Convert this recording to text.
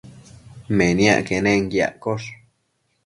Meniac quenenquiaccosh